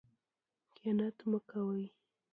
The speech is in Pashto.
خیانت مه کوئ.